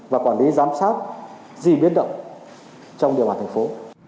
và quản lý giám sát di biến động trong địa bàn thành phố